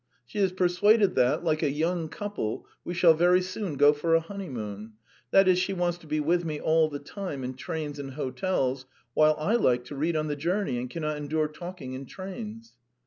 She is persuaded that, like a young couple, we shall very soon go for a honeymoon that is, she wants to be with me all the time in trains and hotels, while I like to read on the journey and cannot endure talking in trains."